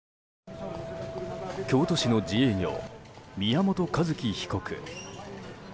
京都市の自営業、宮本一希被告。